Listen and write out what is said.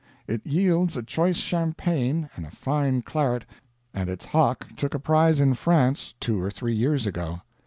It yields a choice champagne and a fine claret, and its hock took a prize in France two or three years ago.